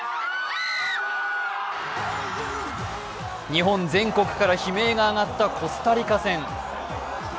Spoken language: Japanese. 日本全国から悲鳴が上がったコスタリカ戦。